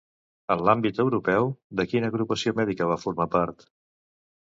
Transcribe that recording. En l'àmbit europeu, de quina agrupació mèdica va formar part?